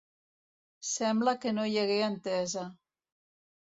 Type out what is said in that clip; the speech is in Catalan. Sembla que no hi hagué entesa.